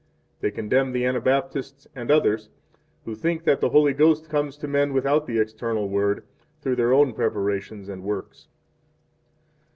4 They condemn the Anabaptists and others who think that the Holy Ghost comes to men without the external Word, through their own preparations and works.